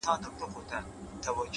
• جرسونه به شرنګیږي د وطن پر لویو لارو,